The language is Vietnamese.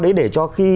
để cho khi